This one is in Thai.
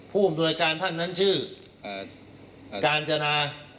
ผู้อำนวยการท่านนั้นชื่อกาญจนา